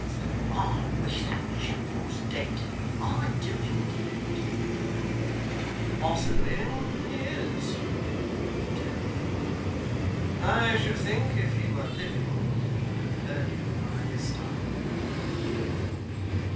I wish that chap was dead, I do indeed.' 'Possibly he is,' returned the other. 'I should think if he were living, he would have heard you by this time.